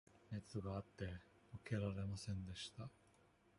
熱があって、起きられませんでした。